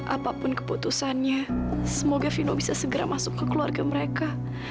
apapun keputusannya semoga vino bisa segera masuk ke keluarga mereka